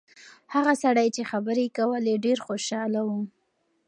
هغه سړی چې خبرې یې کولې ډېر خوشاله و.